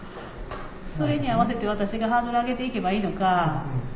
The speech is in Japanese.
それに合わせて私がハードル上げて行けばいいのか。